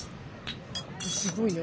すごいね。